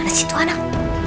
mana situ anak